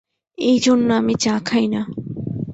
এইজন্য আমি চা খাই না।